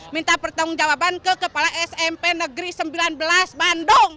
minta pertanggung jawaban ke kepala smp negeri sembilan belas bandung